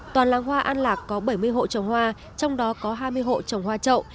toàn làng hoa an lạc có bảy mươi hộ trồng hoa trong đó có hai mươi hộ trồng hoa trậu